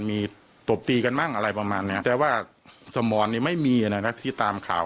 มีตบตีกันบ้างอะไรประมาณเนี้ยแต่ว่าสมรนี่ไม่มีนะครับที่ตามข่าว